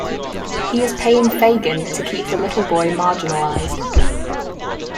He is paying Fagin to keep the little boy marginalised.